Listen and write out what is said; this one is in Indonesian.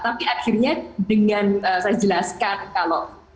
tapi akhirnya dengan saya jelaskan kalau